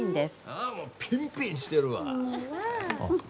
ああもうピンピンしてるわ。